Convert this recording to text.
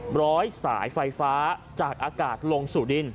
ร้อยสายไฟฟ้าจากอากาศลงสู่ดิน